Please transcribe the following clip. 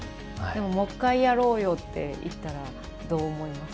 でももう１回やろうよって言ったらどう思います？